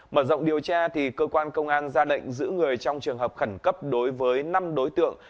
mở rộng điều tra cơ quan công an ra lệnh giữ người trong trường hợp khẩn cấp đối với năm đối tượng